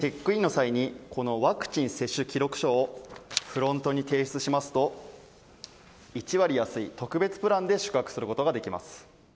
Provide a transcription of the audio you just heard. チェックインの際に、このワクチン接種記録書をフロントに提出しますと、１割安い特別プランで宿泊することができます。